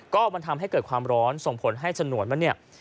ก็มันทำให้เกิดความร้อนส่งผลให้ฉนวนมันเนี่ย